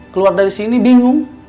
keluar dari sini bingung